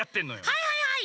はいはいはい！